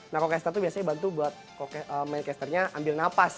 nah co caster itu biasanya bantu buat main casternya ambil napas